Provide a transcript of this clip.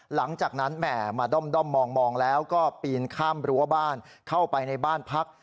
แหม่มาด้อมมองแล้วก็ปีนข้ามรั้วบ้านเข้าไปในบ้านพัก